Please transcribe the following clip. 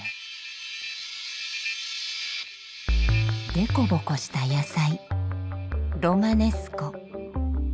でこぼこした野菜ロマネスコ。